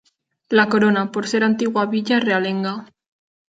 La corona, por ser antigua villa realenga.